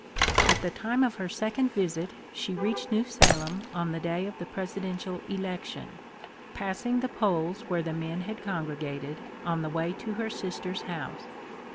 At the time of her second visit she reached New Salem on the day of the Presiden tial election, passing the polls where the men had congregated, on the way to her sister's house.